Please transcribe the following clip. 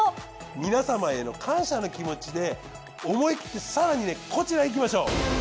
皆様への感謝の気持ちで思い切って更にこちらいきましょう。